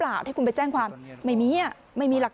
สองสามีภรรยาคู่นี้มีอาชีพ